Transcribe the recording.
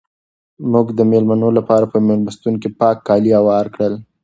موږ د مېلمنو لپاره په مېلمستون کې پاک کالي هوار کړل.